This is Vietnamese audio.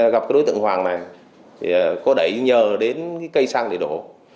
gặp đối tượng hoàng này có đẩy nhờ đến cây xăng để đổ